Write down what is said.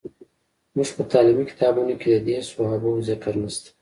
زموږ په تعلیمي کتابونو کې د دې صحابه وو ذکر نشته.